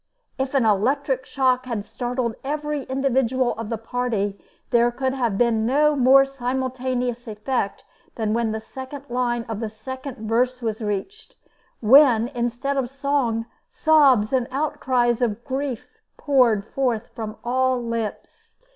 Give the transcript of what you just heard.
If an electric shock had startled every individual of the party, there could have been no more simultaneous effect than when the second line of the second verse was reached, when instead of song, sobs and outcries of grief poured forth from all lips.